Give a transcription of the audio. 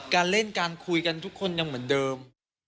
การเล่นการคุยกันทุกคนยังเหมือนเดิม